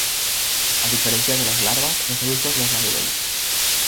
A diferencia de las larvas, los adultos no se alimentan.